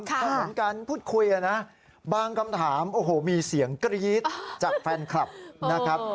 ก็เหมือนการพูดคุยนะบางคำถามโอ้โหมีเสียงกรี๊ดจากแฟนคลับนะครับ